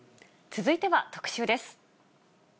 続いては特集です。